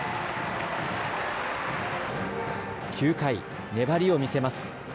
９回、粘りを見せます。